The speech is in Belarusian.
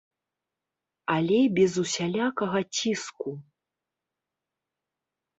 Але без усялякага ціску.